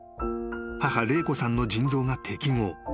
母玲子さんの腎臓が適合］